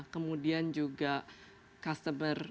kemudian juga customer